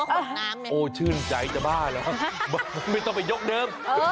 โห้๊ยชื่นใจจรับบ้าไม่ต้องไปยกดื่ม